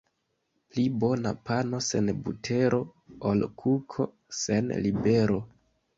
Pli bona pano sen butero, ol kuko sen libero.